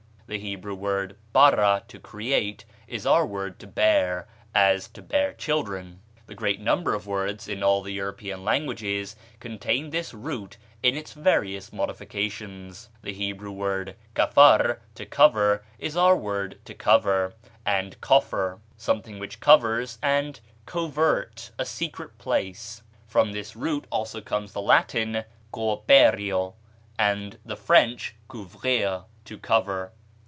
The Hebrew word bara, to create, is our word to bear, as to bear children: a great number of words in all the European languages contain this root in its various modifications. The Hebrew word kafar, to cover, is our word to cover, and coffer, something which covers, and covert, a secret place; from this root also comes the Latin cooperio and the French couvrir, to cover.